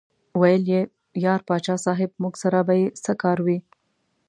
ویې ویل: یار پاچا صاحب موږ سره به یې څه کار وي.